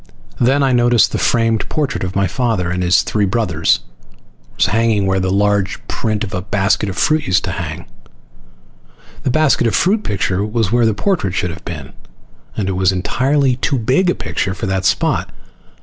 Then I noticed the framed portrait of my father and his three brothers was hanging where the large print of a basket of fruit used to hang. The basket of fruit picture was where the portrait should have been, and it was entirely too big a picture for that spot.